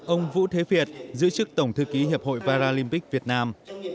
ông vũ thế việt giữ chức tổng thư ký hiệp hội varyc việt nam